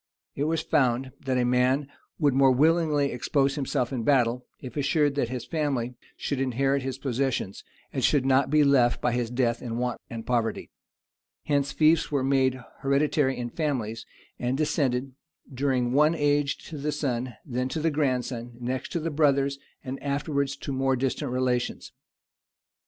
It was found, that a man would more willingly expose himself in battle, if assured that his family should inherit his possessions, and should not be left by his death in want and poverty; hence fiefs were made hereditary in families, and descended, during one age to the son, then to the grandson, next to the brothers, and afterwards to more distant relations.